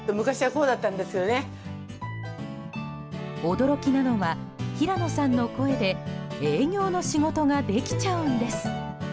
驚きなのは平野さんの声で営業の仕事ができちゃうんです。